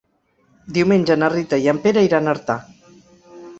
Diumenge na Rita i en Pere iran a Artà.